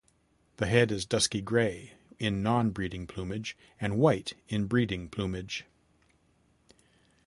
The head is dusky gray in non-breeding plumage and white in breeding plumage.